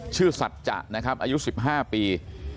สัจจะนะครับอายุ๑๕ปี